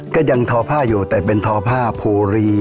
ก็ยังทอผ้าอยู่แต่เป็นทอผ้าภูรี